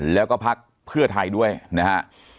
แล้วก็พักเพื่อไทยด้วยนะฮะ